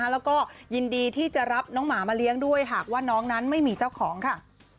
แล้วก็ยินดีที่จะรับน้องหมามาเลี้ยงด้วยหากว่าน้องนั้นไม่มีเจ้าของค่ะ